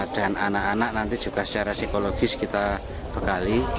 dan anak anak nanti juga secara psikologis kita bekali